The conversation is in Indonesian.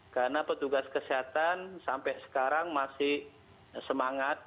karena petugas kesehatan sampai sekarang masih semangat